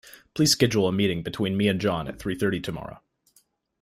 Please schedule a meeting between me and John at three thirty tomorrow.